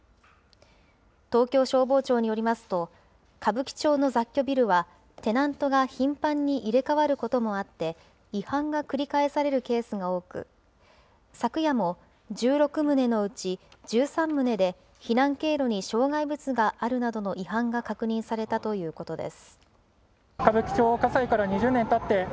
東京消防庁によりますと、歌舞伎町の雑居ビルはテナントが頻繁に入れ代わることもあって、違反が繰り返されるケースが多く、昨夜も１６棟のうち１３棟で避難経路に障害物があるなどの違反が確認されたということです。